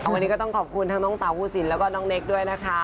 วันนี้ก็ต้องขอบคุณทั้งน้องเต๋าภูสินแล้วก็น้องเนคด้วยนะคะ